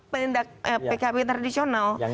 pendak pkb tradisional